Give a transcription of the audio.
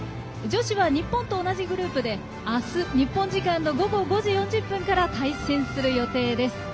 女子は日本と同じグループであす、日本時間の午後５時４０分から対戦する予定です。